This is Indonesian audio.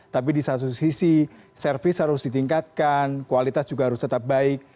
tapi di satu sisi service harus ditingkatkan kualitas juga harus tetap baik